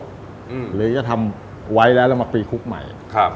หรือก็ทำไว้แล้วแล้วมาคลีคลุกใหม่